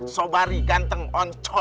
sobari ganteng oncom